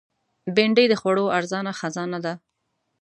بېنډۍ د خوړو ارزانه خزانه ده